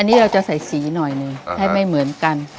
อันนี้เราจะใส่สีหน่อยหนึ่งให้ไม่เหมือนกัน